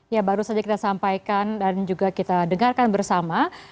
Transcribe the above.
ya baru saja kita sampaikan dan juga kita dengarkan bersama